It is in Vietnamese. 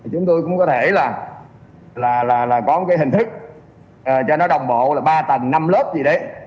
chúng tôi cũng có thể là có một cái hình thức cho nó đồng bộ là ba tầng năm lớp gì đấy